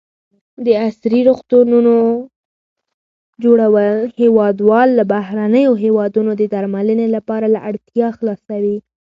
د عصري روغتونو جوړول هېوادوال له بهرنیو هېوادونو د درملنې لپاره له اړتیا خلاصوي.